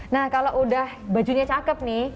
nah kalau udah bajunya cakep nih